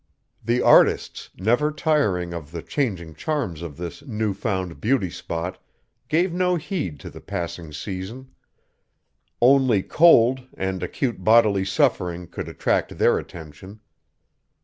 The artists, never tiring of the changing charms of this new found beauty spot, gave no heed to the passing season. Only cold, and acute bodily suffering could attract their attention.